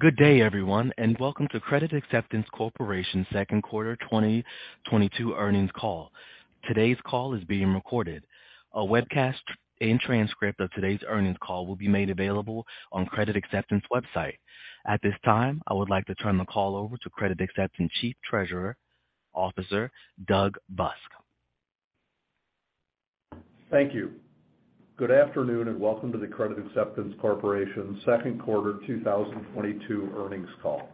Good day, everyone, and welcome to Credit Acceptance Corporation's Q2 2022 Earnings Call. Today's call is being recorded. A webcast and transcript of today's earnings call will be made available on Credit Acceptance's website. At this time, I would like to turn the call over to Credit Acceptance's Chief Treasury Officer, Doug Busk. Thank you. Good afternoon, and welcome to the Credit Acceptance Corporation Q2 2022 Earnings Call.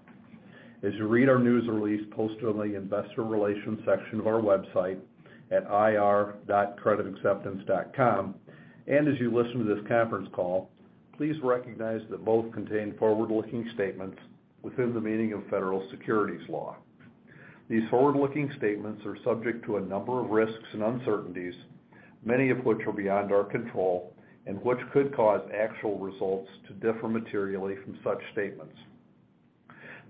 As you read our news release posted on the investor relations section of our website at ir.creditacceptance.com, and as you listen to this conference call, please recognize that both contain forward-looking statements within the meaning of Federal Securities Law. These forward-looking statements are subject to a number of risks and uncertainties, many of which are beyond our control and which could cause actual results to differ materially from such statements.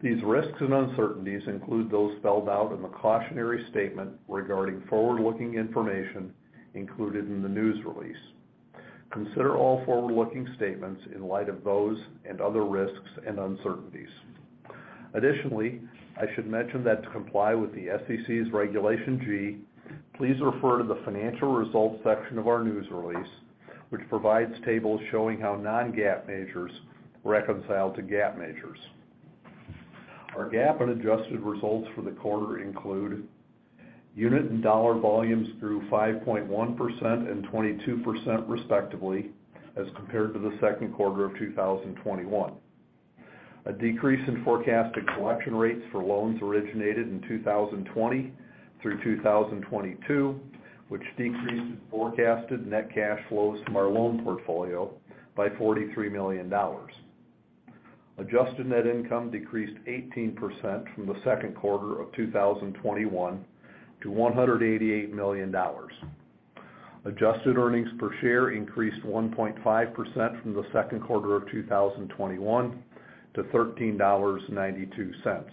These risks and uncertainties include those spelled out in the cautionary statement regarding forward-looking information included in the news release. Consider all forward-looking statements in light of those and other risks and uncertainties. Additionally, I should mention that to comply with the SEC's Regulation G, please refer to the financial results section of our news release, which provides tables showing how non-GAAP measures reconcile to GAAP measures. Our GAAP and adjusted results for the quarter include unit and dollar volumes grew 5.1% and 22%, respectively, as compared to the Q2 of 2021. A decrease in forecasted collection rates for loans originated in 2020 through 2022, which decreases forecasted net cash flows from our loan portfolio by $43 million. Adjusted net income decreased 18% from the Q2 of 2021 to $188 million. Adjusted earnings per share increased 1.5% from the Q2 of 2021 to $13.92.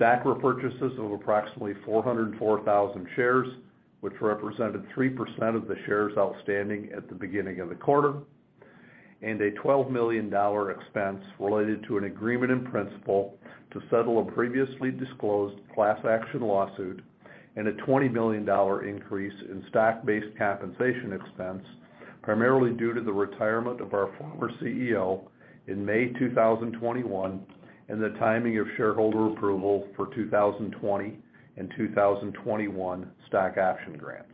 Stock repurchases of approximately 404,000 shares, which represented 3% of the shares outstanding at the beginning of the quarter, and a $12 million expense related to an agreement in principle to settle a previously disclosed class action lawsuit and a $20 million increase in stock-based compensation expense, primarily due to the retirement of our former CEO in May 2021 and the timing of shareholder approval for 2020 and 2021 stock option grants.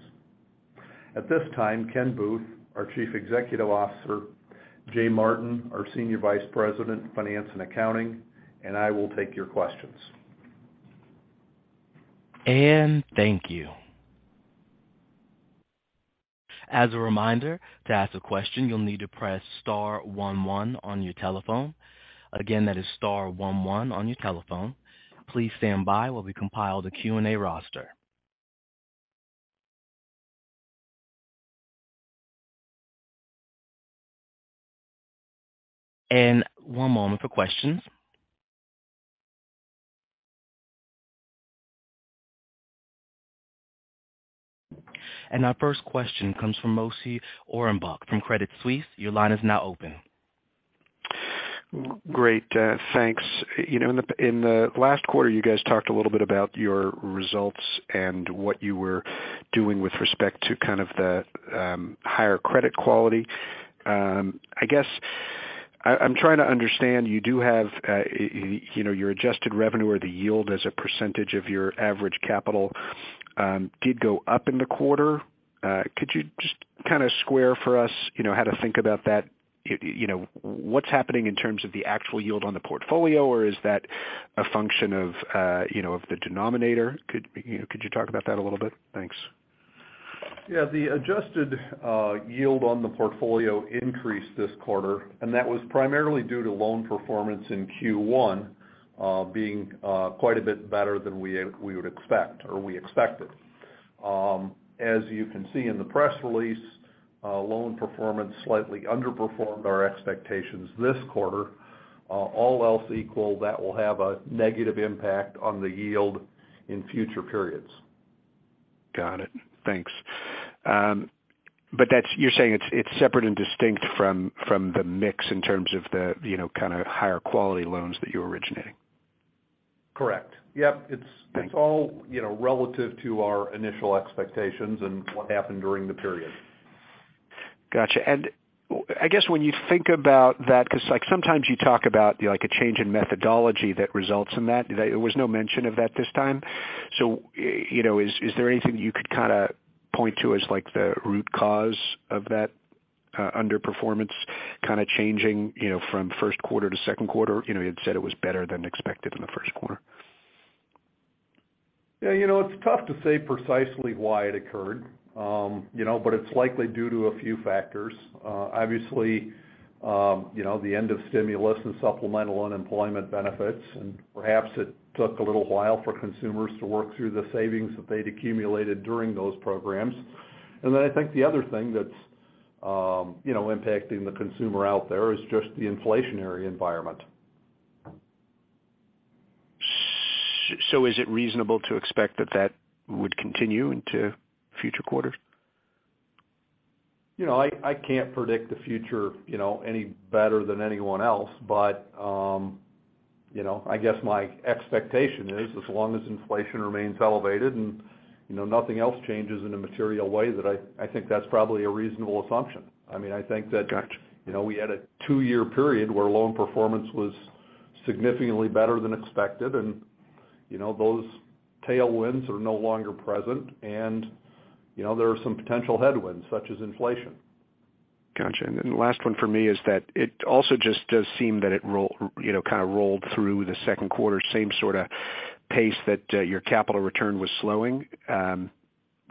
At this time, Ken Booth, our Chief Executive Officer, Jay Martin, our Senior Vice President of Finance and Accounting, and I will take your questions. Thank you. As a reminder, to ask a question, you'll need to press star one one on your telephone. Again, that is star one one on your telephone. Please stand by while we compile the Q&A roster. One moment for questions. Our first question comes from Moshe Orenbuch from Credit Suisse. Your line is now open. Great, thanks. You know, in the last quarter, you guys talked a little bit about your results and what you were doing with respect to kind of the higher credit quality. I guess I'm trying to understand, you do have, you know, your adjusted revenue or the yield as a percentage of your average capital, did go up in the quarter. Could you just kinda square for us, you know, how to think about that? You know, what's happening in terms of the actual yield on the portfolio, or is that a function of, you know, of the denominator? Could you talk about that a little bit? Thanks. Yeah. The adjusted yield on the portfolio increased this quarter, and that was primarily due to loan performance in Q1 being quite a bit better than we would expect or we expected. As you can see in the press release, loan performance slightly underperformed our expectations this quarter. All else equal, that will have a negative impact on the yield in future periods. Got it. Thanks. That's. You're saying it's separate and distinct from the mix in terms of the, you know, kinda higher quality loans that you're originating. Correct. Yep. Thanks. It's all, you know, relative to our initial expectations and what happened during the period. Gotcha. I guess when you think about that, 'cause like sometimes you talk about like a change in methodology that results in that. There was no mention of that this time. You know, is there anything you could kinda point to as like the root cause of that, underperformance kinda changing, you know, from Q1 to Q2? You know, you'd said it was better than expected in the Q1. Yeah. You know, it's tough to say precisely why it occurred. You know, but it's likely due to a few factors. Obviously, you know, the end of stimulus and supplemental unemployment benefits, and perhaps it took a little while for consumers to work through the savings that they'd accumulated during those programs. I think the other thing that's, you know, impacting the consumer out there is just the inflationary environment. Is it reasonable to expect that that would continue into future quarters? You know, I can't predict the future, you know, any better than anyone else. But, you know, I guess my expectation is as long as inflation remains elevated and, you know, nothing else changes in a material way that I think that's probably a reasonable assumption. I mean, I think that. Got you. You know, we had a two-year period where loan performance was significantly better than expected and, you know, those tailwinds are no longer present. You know, there are some potential headwinds, such as inflation. Got you. Then the last one for me is that it also just does seem that rolled through the Q2, same sort of pace that your capital return was slowing.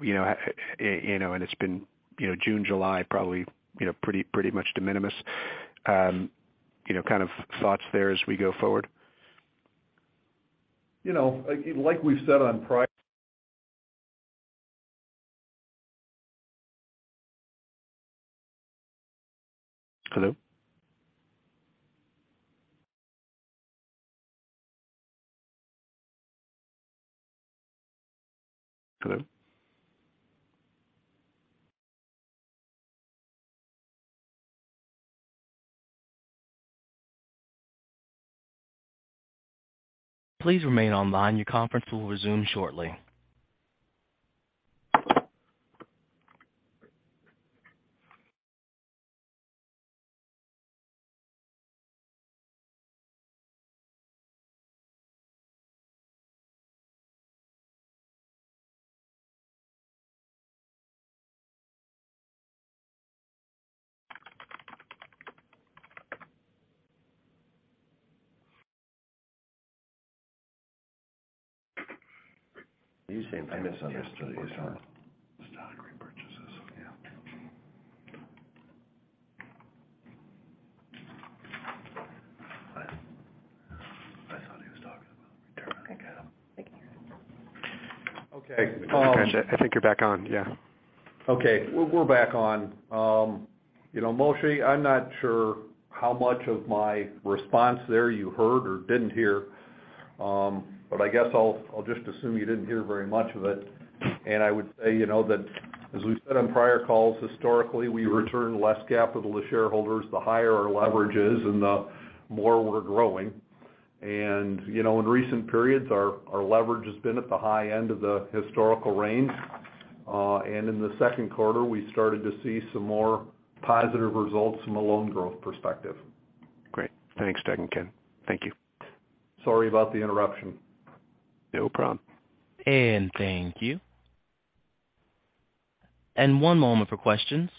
You know, you know, and it's been you know, June, July, probably you know, pretty much de minimis. You know, kind of thoughts there as we go forward. You know, like we've said on prior. Hello? Hello? Please remain online. Your conference will resume shortly. He's saying payments on this. Yes. Based on stock repurchases. Yeah. I thought he was talking about return on capital. Okay. Gotcha. I think you're back on. Yeah. Okay. We're back on. You know, Moshe, I'm not sure how much of my response there you heard or didn't hear. But I guess I'll just assume you didn't hear very much of it. I would say, you know, that as we've said on prior calls, historically, we return less capital to shareholders the higher our leverage is and the more we're growing. You know, in recent periods, our leverage has been at the high end of the historical range. In the Q2, we started to see some more positive results from a loan growth perspective. Great. Thanks, Doug and Ken. Thank you. Sorry about the interruption. No problem. Thank you. One moment for questions.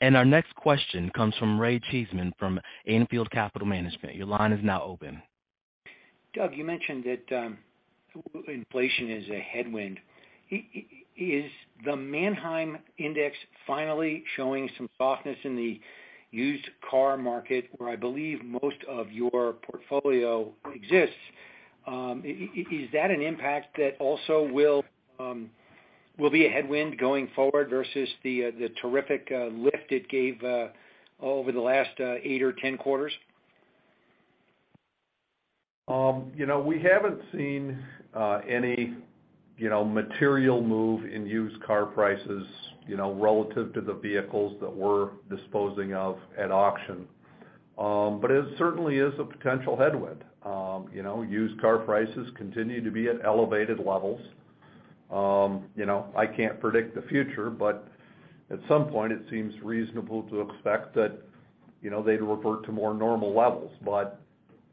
Our next question comes from Ray Cheesman from Anfield Capital Management. Your line is now open. Doug, you mentioned that inflation is a headwind. Is the Manheim Index finally showing some softness in the used car market where I believe most of your portfolio exists? Is that an impact that also will be a headwind going forward versus the terrific lift it gave over the last 8 or 10 quarters? You know, we haven't seen any you know material move in used car prices, you know, relative to the vehicles that we're disposing of at auction. It certainly is a potential headwind. You know, used car prices continue to be at elevated levels. You know, I can't predict the future, but at some point, it seems reasonable to expect that, you know, they'd revert to more normal levels.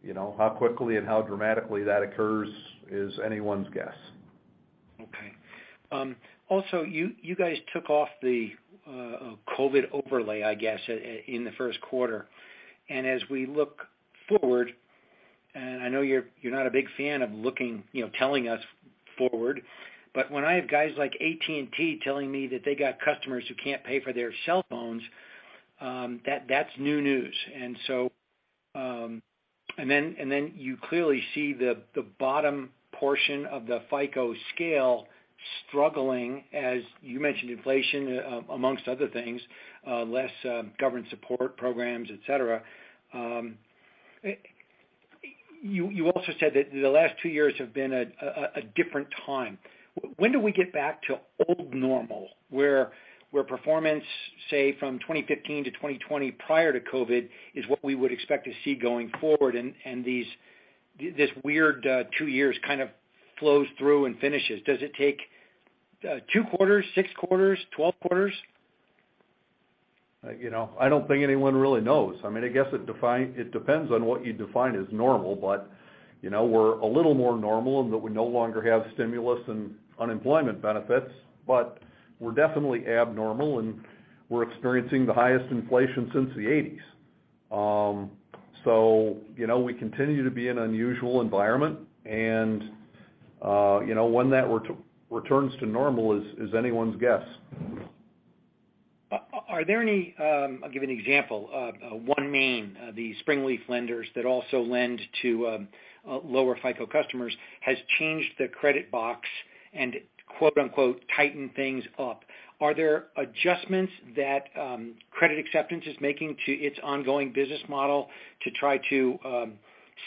You know, how quickly and how dramatically that occurs is anyone's guess. Okay. Also, you guys took off the COVID overlay, I guess, in the Q1. As we look forward, I know you're not a big fan of looking, you know, telling us forward, but when I have guys like AT&T telling me that they got customers who can't pay for their cell phones, that's new news. Then you clearly see the bottom portion of the FICO scale struggling, as you mentioned, inflation, amongst other things, less government support programs, et cetera. You also said that the last two years have been a different time. When do we get back to old normal, where performance, say, from 2015 to 2020 prior to COVID is what we would expect to see going forward, and this weird two years kind of flows through and finishes? Does it take two quarters, six quarters, 12 quarters? You know, I don't think anyone really knows. I mean, I guess it depends on what you define as normal. You know, we're a little more normal in that we no longer have stimulus and unemployment benefits. We're definitely abnormal, and we're experiencing the highest inflation since the eighties. You know, we continue to be an unusual environment and, you know, when that returns to normal is anyone's guess. Are there any? I'll give you an example. OneMain, the Springleaf lenders that also lend to lower FICO customers, has changed their credit box and quote-unquote, "tightened things up." Are there adjustments that Credit Acceptance is making to its ongoing business model to try to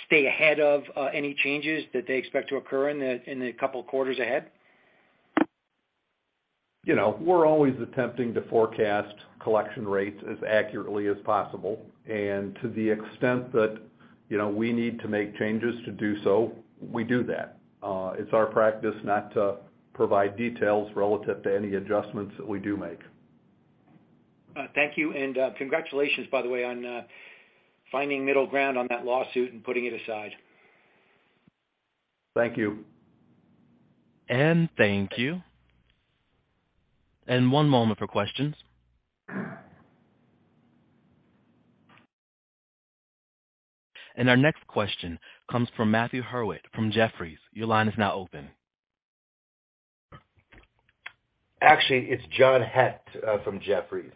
stay ahead of any changes that they expect to occur in the couple of quarters ahead? You know, we're always attempting to forecast collection rates as accurately as possible. To the extent that, you know, we need to make changes to do so, we do that. It's our practice not to provide details relative to any adjustments that we do make. Thank you, and congratulations by the way on finding middle ground on that lawsuit and putting it aside. Thank you. Thank you. One moment for questions. Our next question comes from John Hecht from Jefferies. Your line is now open. Actually, it's John Hecht from Jefferies.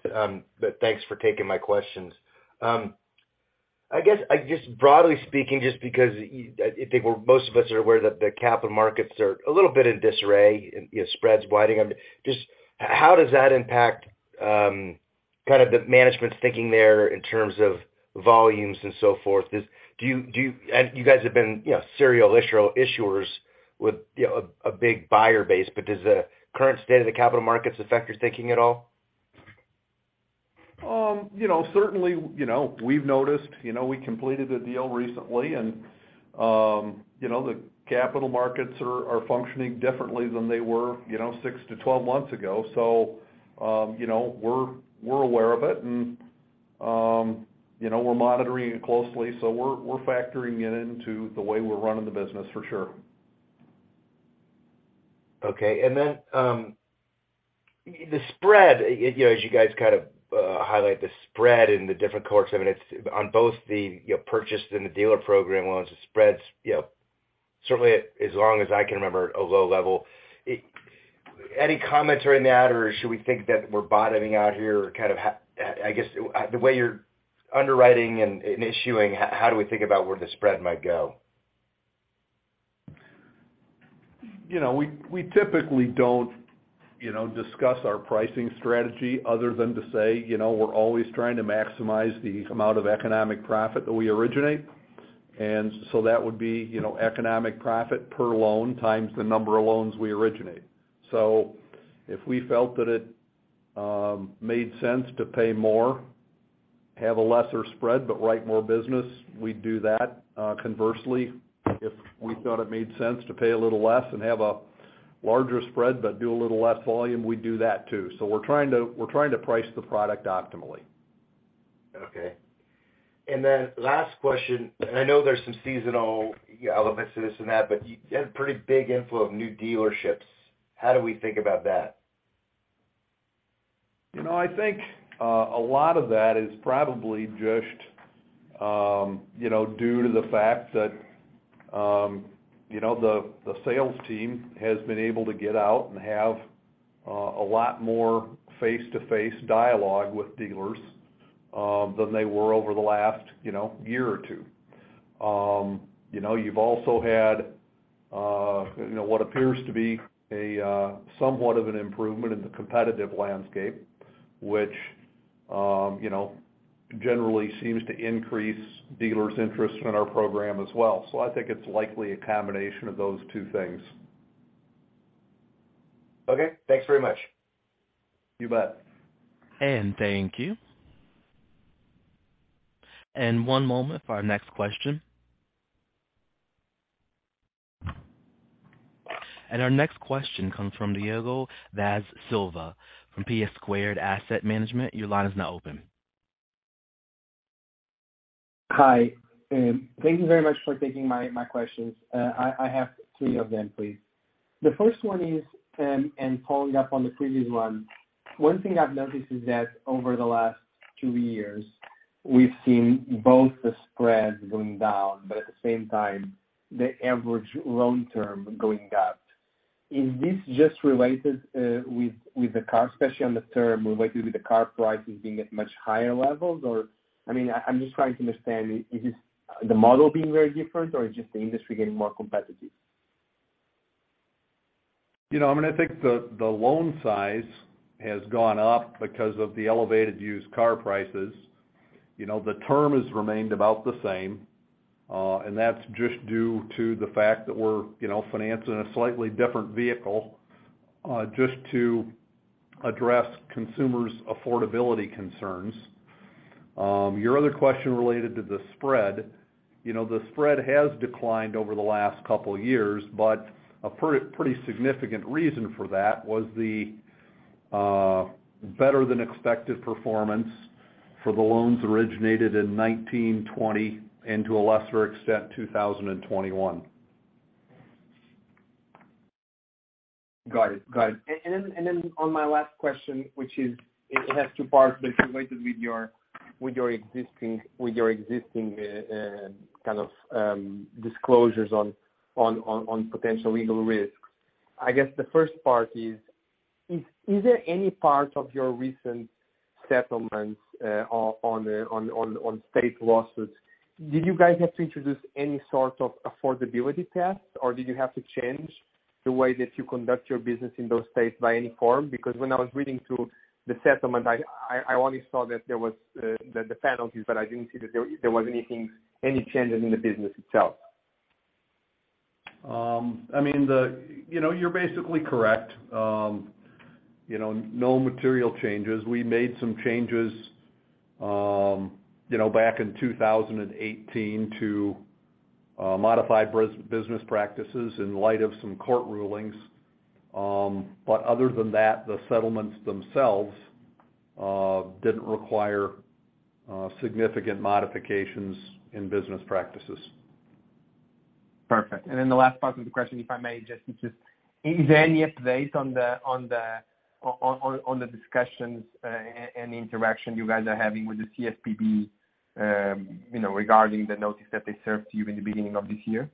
Thanks for taking my questions. I guess broadly speaking, just because I think most of us are aware that the capital markets are a little bit in disarray and, you know, spreads widening. I mean, just how does that impact kind of the management's thinking there in terms of volumes and so forth? You guys have been, you know, serial issuers with, you know, a big buyer base, but does the current state of the capital markets affect your thinking at all? You know, certainly, you know, we've noticed. You know, we completed a deal recently, and, you know, the capital markets are functioning differently than they were, you know, 6-12 months ago. You know, we're aware of it, and, you know, we're monitoring it closely, so we're factoring it into the way we're running the business for sure. Okay. The spread, you know, as you guys kind of highlight the spread in the different cohorts, I mean, it's on both the, you know, purchased and the dealer program loans, the spreads, you know, certainly as long as I can remember, a low level. Any comments around that, or should we think that we're bottoming out here or kind of I guess, the way you're underwriting and issuing, how do we think about where the spread might go? You know, we typically don't, you know, discuss our pricing strategy other than to say, you know, we're always trying to maximize the amount of economic profit that we originate. That would be, you know, economic profit per loan times the number of loans we originate. If we felt that it made sense to pay more, have a lesser spread but write more business, we'd do that. Conversely, if we thought it made sense to pay a little less and have a larger spread but do a little less volume, we'd do that too. We're trying to price the product optimally. Okay. Last question, and I know there's some seasonal elements to this and that, but you had a pretty big inflow of new dealerships. How do we think about that? You know, I think a lot of that is probably just you know, due to the fact that you know, the sales team has been able to get out and have a lot more face-to-face dialogue with dealers than they were over the last you know, year or two. You know, you've also had you know, what appears to be somewhat of an improvement in the competitive landscape, which you know, generally seems to increase dealers' interest in our program as well. I think it's likely a combination of those two things. Okay. Thanks very much. You bet. Thank you. One moment for our next question. Our next question comes from Diogo Vaz da Silva from PSquared Asset Management. Your line is now open. Hi. Thank you very much for taking my questions. I have three of them, please. The first one is, following up on the previous one thing I've noticed is that over the last two years, we've seen both the spreads going down, but at the same time, the average loan term going up. Is this just related with the car, especially on the term related with the car pricing being at much higher levels or I mean, I'm just trying to understand, is this the model being very different or is just the industry getting more competitive? You know, I mean, I think the loan size has gone up because of the elevated used car prices. You know, the term has remained about the same, and that's just due to the fact that we're, you know, financing a slightly different vehicle just to address consumers' affordability concerns. Your other question related to the spread. You know, the spread has declined over the last couple years, but a pretty significant reason for that was the better than expected performance for the loans originated in 2020 and to a lesser extent, 2021. Got it. On my last question, which is. It has two parts, but it's related with your existing kind of disclosures on potential legal risks. I guess the first part is there any part of your recent settlements on the state lawsuits? Did you guys have to introduce any sort of affordability test, or did you have to change the way that you conduct your business in those states in any form? Because when I was reading through the settlement, I only saw that there was the penalties, but I didn't see that there was anything, any changes in the business itself. I mean, you know, you're basically correct. You know, no material changes. We made some changes, you know, back in 2018 to modify business practices in light of some court rulings. Other than that, the settlements themselves didn't require significant modifications in business practices. Perfect. The last part of the question, if I may, just is there any update on the discussions and interaction you guys are having with the CFPB, you know, regarding the notice that they served you in the beginning of this year?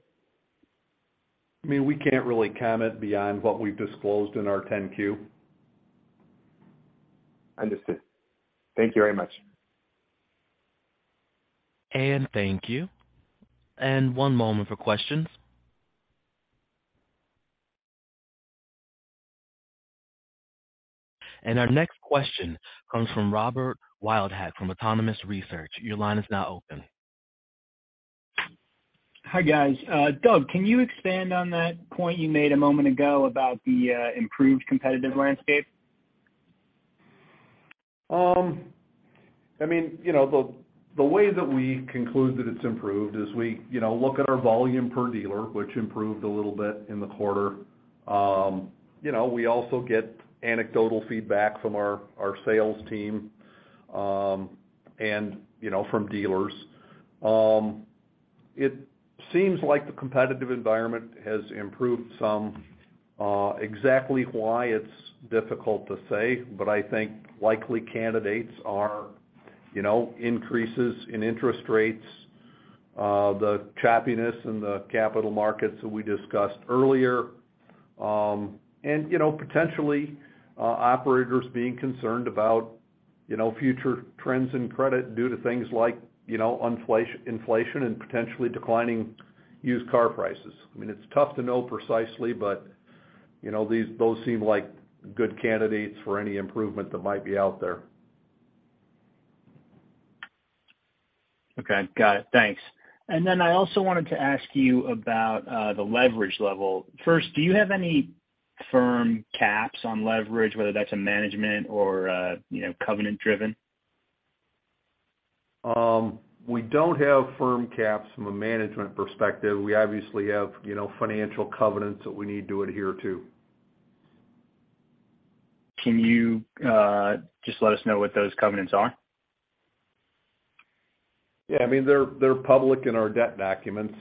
I mean, we can't really comment beyond what we've disclosed in our 10-Q. Understood. Thank you very much. Thank you. One moment for questions. Our next question comes from Robert Wildhack from Autonomous Research. Your line is now open. Hi, guys. Doug, can you expand on that point you made a moment ago about the improved competitive landscape? I mean, you know, the way that we conclude that it's improved is we, you know, look at our volume per dealer, which improved a little bit in the quarter. You know, we also get anecdotal feedback from our sales team, and, you know, from dealers. It seems like the competitive environment has improved some, exactly why it's difficult to say, but I think likely candidates are, you know, increases in interest rates, the choppiness in the capital markets that we discussed earlier, and, you know, potentially, operators being concerned about, you know, future trends in credit due to things like, you know, inflation and potentially declining used car prices. I mean, it's tough to know precisely, but, you know, those seem like good candidates for any improvement that might be out there. Okay. Got it. Thanks. I also wanted to ask you about the leverage level. First, do you have any firm caps on leverage, whether that's a management or, you know, covenant driven? We don't have firm caps from a management perspective. We obviously have, you know, financial covenants that we need to adhere to. Can you, just let us know what those covenants are? Yeah. I mean, they're public in our debt documents.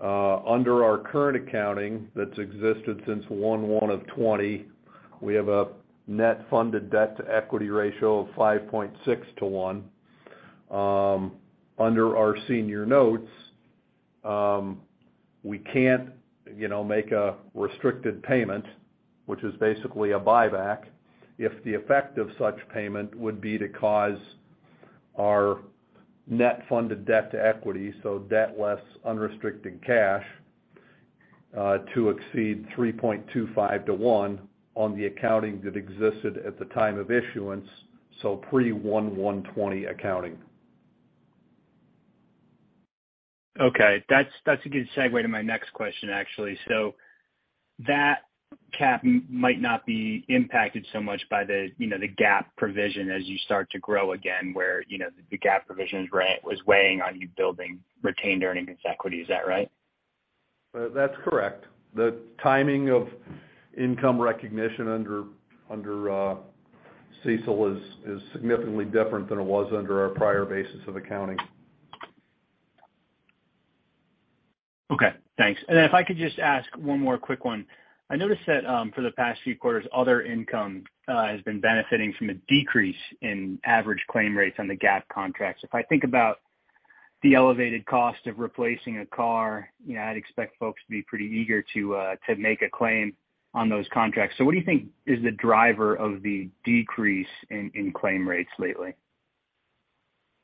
Under our current accounting that's existed since 1/1/2020, we have a net funded debt-to-equity ratio of 5.6 to 1. Under our senior notes, we can't, you know, make a restricted payment, which is basically a buyback if the effect of such payment would be to cause our net funded debt to equity, so debt less unrestricted cash, to exceed 3.25 to 1 on the accounting that existed at the time of issuance, so pre 1/1/2020 accounting. Okay. That's a good segue to my next question, actually. That cap might not be impacted so much by the, you know, the GAAP provision as you start to grow again, where, you know, the GAAP provision was weighing on you building retained earnings as equity. Is that right? That's correct. The timing of income recognition under CECL is significantly different than it was under our prior basis of accounting. Okay. Thanks. If I could just ask one more quick one. I noticed that, for the past few quarters, other income has been benefiting from a decrease in average claim rates on the GAAP contracts. If I think about the elevated cost of replacing a car, you know, I'd expect folks to be pretty eager to make a claim on those contracts. What do you think is the driver of the decrease in claim rates lately?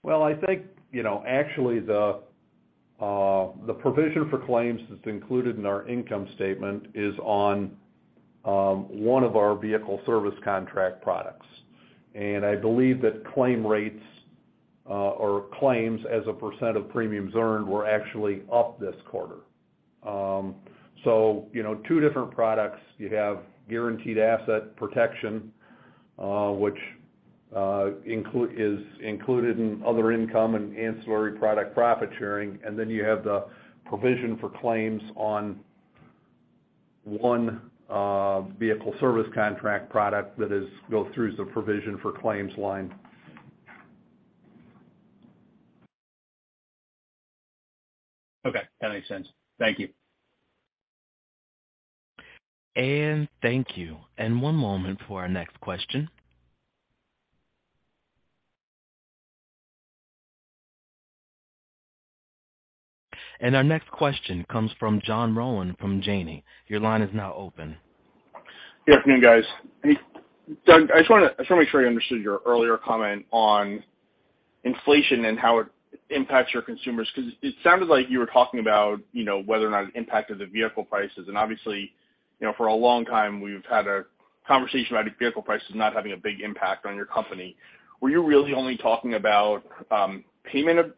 Well, I think, you know, actually the provision for claims that's included in our income statement is on one of our Vehicle Service Contract products. I believe that claim rates or claims as a percent of premiums earned were actually up this quarter. You know, two different products. You have Guaranteed Asset Protection, which is included in other income and ancillary product profit sharing, and then you have the provision for claims on one Vehicle Service Contract product that goes through the provision for claims line. Okay, that makes sense. Thank you. Thank you. One moment for our next question. Our next question comes from John Rowan from Janney. Your line is now open. Good afternoon, guys. Doug, I just wanna make sure I understood your earlier comment on inflation and how it impacts your consumers, 'cause it sounded like you were talking about, you know, whether or not it impacted the vehicle prices. Obviously, you know, for a long time, we've had a conversation about vehicle prices not having a big impact on your company. Were you really only talking about payment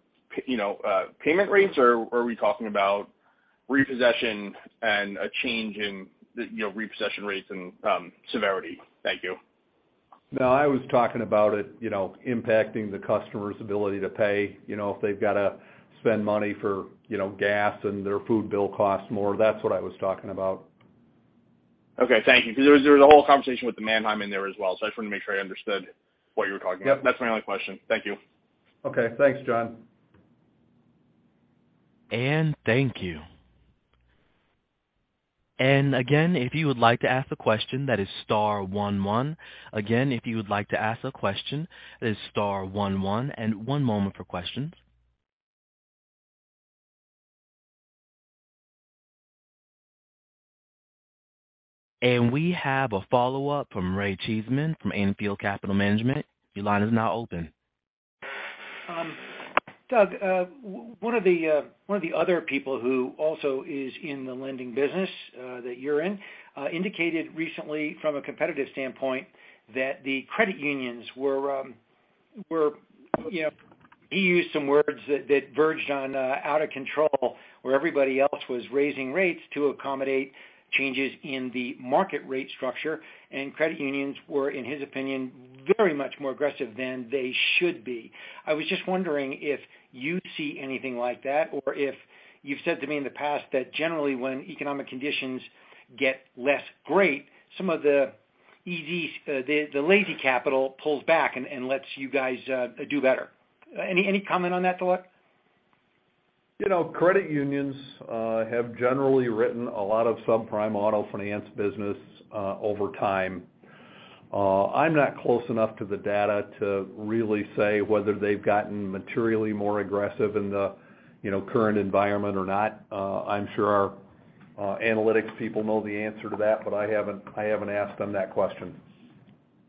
rates, or are we talking about repossession and a change in, you know, repossession rates and severity? Thank you. No, I was talking about it, you know, impacting the customer's ability to pay. You know, if they've gotta spend money for, you know, gas and their food bill costs more. That's what I was talking about. Okay, thank you. 'Cause there was a whole conversation with Manheim in there as well. I just wanted to make sure I understood what you were talking about. Yep. That's my only question. Thank you. Okay, thanks, John. Thank you. Again, if you would like to ask a question, that is star one one. Again, if you would like to ask a question, that is star one one. One moment for questions. We have a follow-up from Ray Cheesman from Anfield Capital Management. Your line is now open. Doug, one of the other people who also is in the lending business that you're in indicated recently from a competitive standpoint that the credit unions were, you know, he used some words that verged on out of control, where everybody else was raising rates to accommodate changes in the market rate structure. Credit unions were, in his opinion, very much more aggressive than they should be. I was just wondering if you see anything like that or if you've said to me in the past that generally when economic conditions get less great, some of the lazy capital pulls back and lets you guys do better. Any comment on that at all? You know, credit unions have generally written a lot of subprime auto finance business over time. I'm not close enough to the data to really say whether they've gotten materially more aggressive in the, you know, current environment or not. I'm sure our analytics people know the answer to that, but I haven't asked them that question.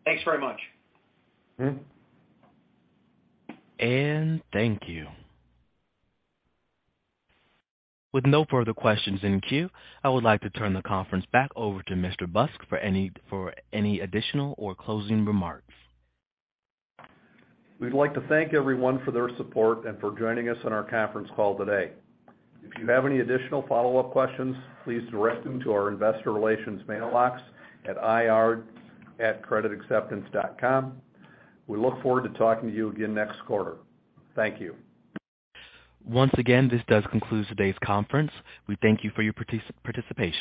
Thanks very much. Mm-hmm. Thank you. With no further questions in queue, I would like to turn the conference back over to Mr. Busk for any additional or closing remarks. We'd like to thank everyone for their support and for joining us on our conference call today. If you have any additional follow-up questions, please direct them to our investor relations mailbox at ir@creditacceptance.com. We look forward to talking to you again next quarter. Thank you. Once again, this does conclude today's conference. We thank you for your participation.